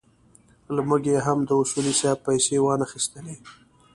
له موږ یې هم د اصولي صیب پېسې وانخيستلې.